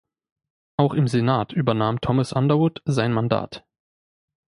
Auch im Senat übernahm Thomas Underwood sein Mandat.